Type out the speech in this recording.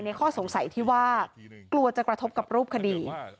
ข้อสงสัยที่ว่ากลัวจะกระทบกับรูปคดี